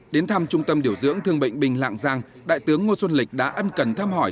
đến thăm trung tâm điều dưỡng thương bệnh binh lạng giang đại tướng ngô xuân lịch đã ân cần thăm hỏi